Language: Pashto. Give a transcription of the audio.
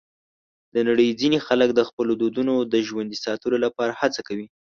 د نړۍ ځینې خلک د خپلو دودونو د ژوندي ساتلو لپاره هڅه کوي.